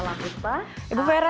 selamat malam ibu fera